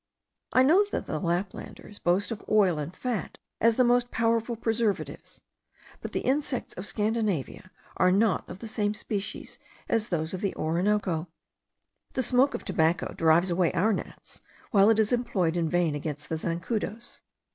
I know that the Laplanders boast of oil and fat as the most useful preservatives; but the insects of Scandinavia are not of the same species as those of the Orinoco. The smoke of tobacco drives away our gnats, while it is employed in vain against the zancudos.